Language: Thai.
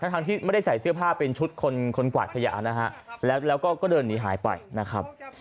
ทั้งที่ไม่ได้ใส่เสื้อผ้าเป็นชุดคนกวาดขยะนะฮะแล้วก็เดินหนีหายไปนะครับ